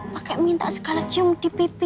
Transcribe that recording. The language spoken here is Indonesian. pakai minta segala cium di pipi